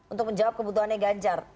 untuk menjawab kebutuhannya ganjar